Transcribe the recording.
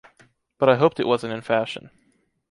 But I hoped it wasn’t in fashion.